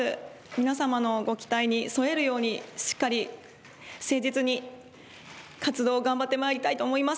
皆様のご期待に沿えるようにしっかり誠実に活動を頑張ってまいりたいと思います。